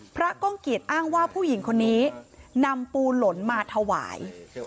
ก้องเกียจอ้างว่าผู้หญิงคนนี้นำปูหล่นมาถวาย